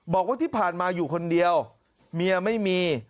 บอกว่าที่ผ่านมาอยู่คนเดียวเมียไม่มี